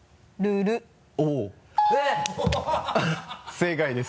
正解です。